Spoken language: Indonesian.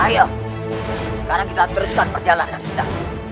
ayo sekarang kita teruskan perjalanan kita